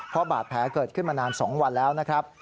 เพราะบาดแผลเกิดขึ้นมานาน๒วันแล้วนะครับ